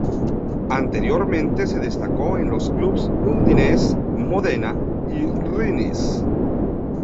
Anteriormente se destacó en los clubes Udinese, Modena y Rennes.